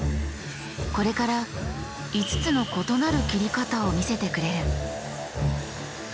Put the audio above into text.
これから「５つの異なる切り方」を見せてくれる。